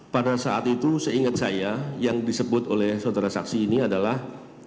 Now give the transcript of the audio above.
pada saat itu seingat saya yang disebut oleh saudara saksi ini adalah